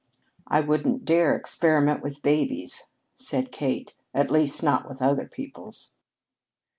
"I wouldn't dare experiment with babies," said Kate. "At least, not with other people's."